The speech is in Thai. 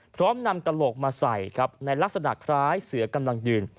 พร้อมนำกระโหลกมาใส่ครับในลักษณะคล้ายเสือกำลังยืน